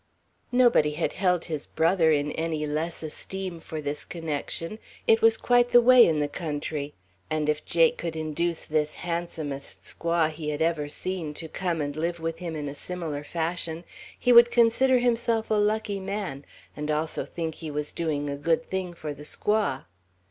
Nobody had held his brother in any less esteem for this connection; it was quite the way in the country. And if Jake could induce this handsomest squaw he had ever seen, to come and live with him in a smaller fashion, he would consider himself a lucky man, and also think he was doing a good thing for the squaw.